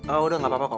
oh udah gapapa kok